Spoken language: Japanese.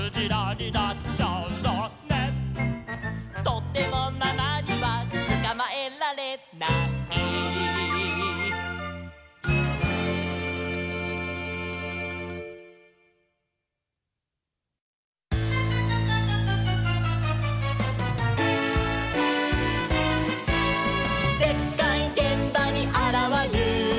「とてもママにはつかまえられない」「でっかいげんばにあらわる！」